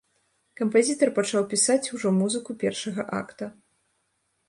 Кампазітар пачаў пісаць ужо музыку першага акта.